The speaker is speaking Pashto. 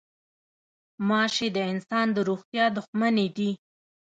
غوماشې د انسان د روغتیا دښمنې دي.